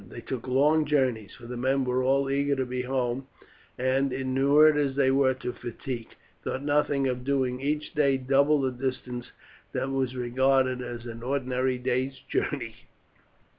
They took long journeys, for the men were all eager to be home, and, inured as they were to fatigue, thought nothing of doing each day double the distance that was regarded as an ordinary day's journey.